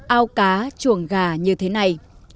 ao cá chuồng gà như thế này